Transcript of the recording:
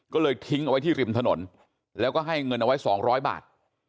ก็เลยทิ้งเอาไว้ที่ริมถนนแล้วก็ให้เงินเอาไว้๒๐๐บาท